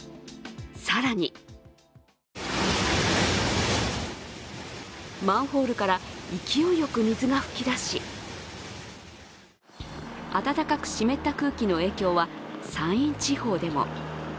更にマンホールから勢いよく水が噴き出し暖かく湿った空気の影響は山陰地方でも。